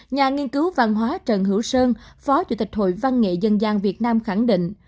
nhà nghiên cứu văn hóa trần hữu sơn phó chủ tịch hội văn nghệ dân gian việt nam khẳng định